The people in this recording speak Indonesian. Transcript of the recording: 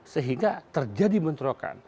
sehingga terjadi benturkan